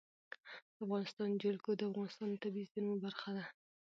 د افغانستان جلکو د افغانستان د طبیعي زیرمو برخه ده.